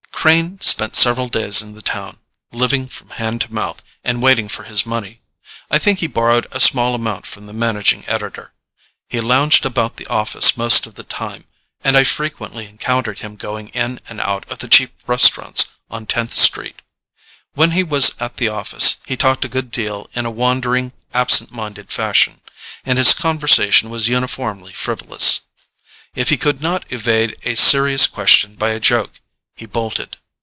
Crane spent several days in the town, living from hand to mouth and waiting for his money. I think he borrowed a small amount from the managing editor. He lounged about the office most of the time, and I frequently encountered him going in and out of the cheap restaurants on Tenth Street. When he was at the office he talked a good deal in a wandering, absent minded fashion, and his conversation was uniformly frivolous. If he could not evade a serious question by a joke, he bolted.